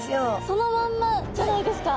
そのまんまじゃないですか。